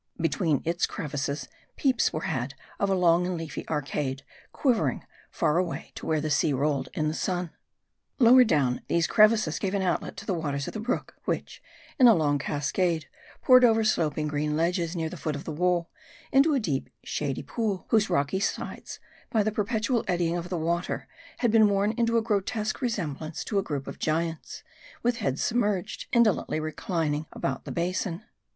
Between its crevices, peeps were had of a long and leafy arcade, quivering far away to where the sea rolled in the sun. Lower down, these crevices gave an outlet to the waters of the brook, which, in a long cascade, poured over sloping green ledges near the foot of the wall, into a deep shady pool ;" whose rocky sides, by the perpetual eddying of the water, had been worn into a grotesque re semblance to a group of giants, with heads submerged, indo lently reclining about the basin.